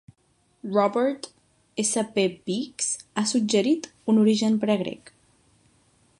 Robert S. P. Beekes ha suggerit un origen pregrec.